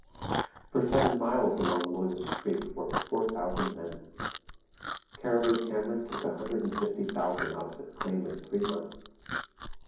For seven miles along William's Creek worked four thousand men. Cariboo Cameron took a hundred and fifty thousand out of his claim in three months.